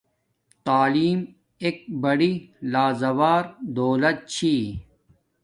تعیلم ایک بڑی لازوال دولت چھی